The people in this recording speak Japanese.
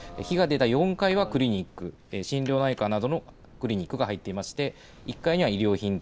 地上８階建ての雑居ビルで火が出た４階はクリニック、心療内科などのクリニックが入っていまして、１階には衣料品店